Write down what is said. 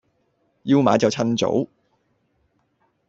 要買就襯早